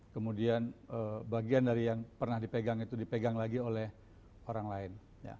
kemudian bagian dari yang pernah dipegang itu dipegang lagi oleh orang lain